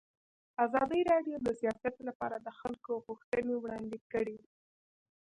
ازادي راډیو د سیاست لپاره د خلکو غوښتنې وړاندې کړي.